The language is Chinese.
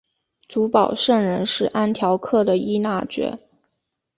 主保圣人是安条克的依纳爵。